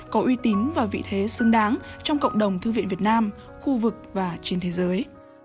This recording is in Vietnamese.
có uy tín và vị thế xứng đáng trong cộng đồng thư viện việt nam khu vực và trên thế giới